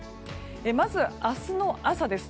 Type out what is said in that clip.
まず、明日の朝です。